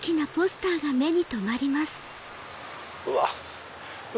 うわっ！